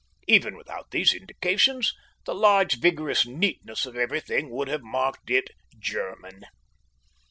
Even without these indications, the large vigorous neatness of everything would have marked it German.